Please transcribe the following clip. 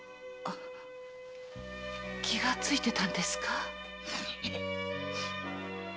気がついてたんですか？